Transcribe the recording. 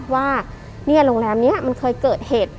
ว่าโรงแรมนี้มันเคยเกิดเหตุ